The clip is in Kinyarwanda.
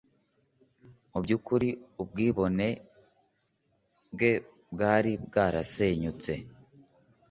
mu byukuri, ubwibone bwe bwari bwarasenyutse;